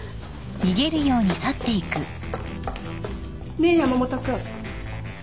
ねえ山本君。